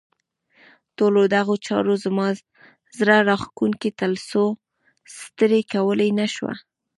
ټولو دغو چارو زما زړه راښکونکې تلوسه ستړې کولای نه شوه.